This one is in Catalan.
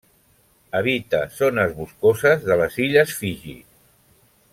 Habita zones boscoses de les illes Fiji.